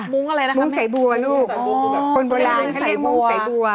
มุ้งอะไรนะครับแม่งมุ้งใส่บัวลูกคนโบราณแค่เรียกมุ้งใส่บัว